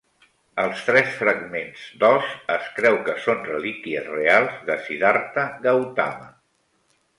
Els tres fragments d'os es creu que són relíquies reals de Siddharta Gautama.